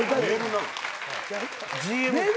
ＧＭ？